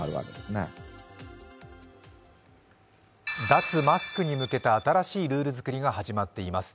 脱マスクに向けた新しいルール作りが始まっています。